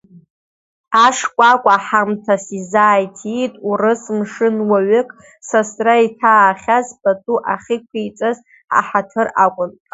Ашкәакәа ҳамҭас изааиҭиит урыс мшынуаҩык сасра иҭаахьаз, пату ахьиқәиҵаз аҳаҭыр аҟынтә.